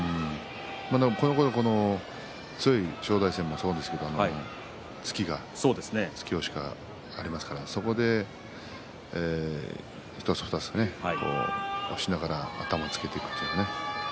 このごろ強い正代戦もそうですが突き押しがありますからそこで１つ、２つ押しながら頭をつけていくという。